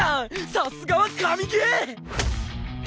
さすがは神ゲー！